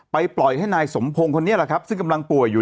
ปล่อยให้นายสมพงศ์คนนี้แหละครับซึ่งกำลังป่วยอยู่